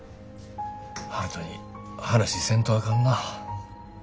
悠人に話せんとあかんな。